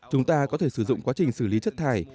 chúng ta có thể sử dụng quá trình xử lý chất thải